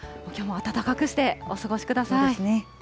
きょうも暖かくしてお過ごしください。